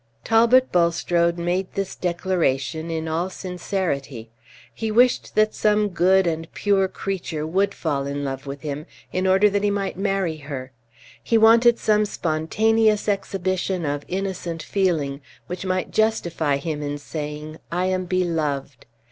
Talbot Bulstrode made this declaration in all sincerity. He wished that some good and pure creature would fall in love with him, in order that he might marry her. He wanted Page 18 some spontaneous exhibition of innocent feeling which might justify him in saying "I am beloved!"